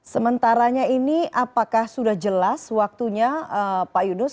sementaranya ini apakah sudah jelas waktunya pak yunus